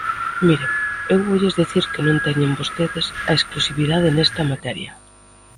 Miren, eu voulles dicir que non teñen vostedes a exclusividade nesta materia.